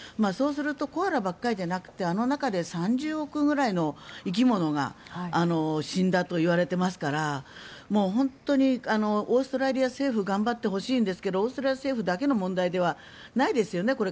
そうするとコアラばかりじゃなくてあの中で３０億くらいの生き物が死んだといわれていますから本当にオーストラリア政府には頑張ってほしいんですがオーストラリア政府だけの問題ではないですよね。